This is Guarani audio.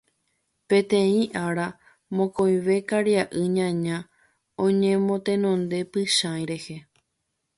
Peteĩ ára, mokõive karia'y ñaña oñemotenonde Pychãi rehe.